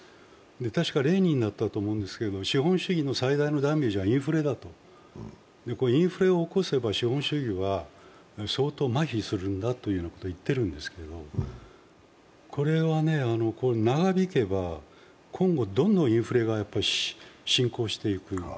たしかレーニンだったと思いますけれども、資本主義の最大のダメージはインフレだと。インフレを起こせば資本主義は相当まひするんだと言ってるんですけど、これは長引けば今後、どんどんインフレが進行していく。